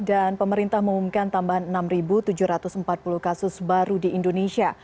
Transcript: dan pemerintah mengumumkan tambahan enam tujuh ratus empat puluh kasus baru di indonesia